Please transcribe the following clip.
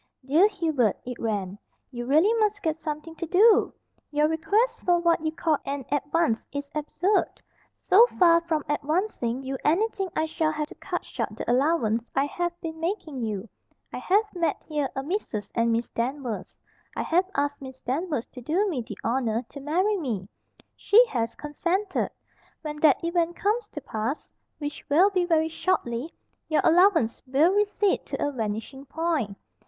"Dear Hubert," it ran, "you really must get something to do! Your request for what you call an advance is absurd. So far from advancing you anything I shall have to cut short the allowance I have been making you. I have met here a Mrs. and Miss Danvers. I have asked Miss Danvers to do me the honour to marry me. She has consented. When that event comes to pass which will be very shortly your allowance will recede to a vanishing point.